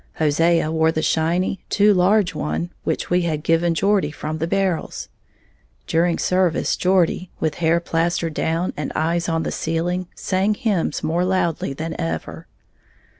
Hosea wore the shiny, too large one which we had given Geordie from the barrels. During service Geordie, with hair plastered down and eyes on the ceiling, sang hymns more loudly than ever.